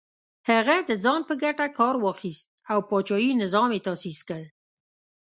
هغه د ځان په ګټه کار واخیست او پاچاهي نظام یې تاسیس کړ.